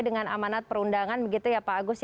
dengan amanat perundangan begitu ya pak agus